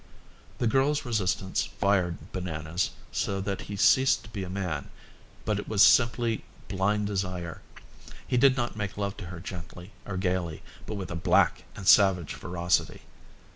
The girl's resistance fired Bananas so that he ceased to be a man, but was simply blind desire. He did not make love to her gently or gaily, but with a black and savage ferocity.